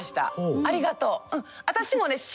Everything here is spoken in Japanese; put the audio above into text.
ありがとう。